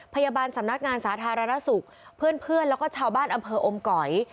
พยาบาลสำนักงานสาธารณสุขเพื่อนแล้วก็ชาวบ้านอำเภออมก๋อย